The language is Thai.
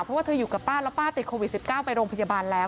เพราะว่าเธออยู่กับป้าแล้วป้าติดโควิด๑๙ไปโรงพยาบาลแล้ว